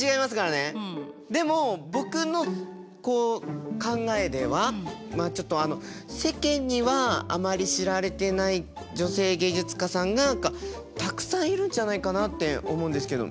でも僕の考えでは世間にはあまり知られていない女性芸術家さんがたくさんいるんじゃないかなって思うんですけど。